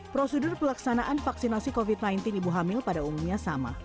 prosedur pelaksanaan vaksinasi covid sembilan belas ibu hamil pada umumnya sama